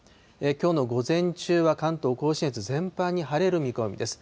きょうの午前中は、関東甲信越全般に晴れる見込みです。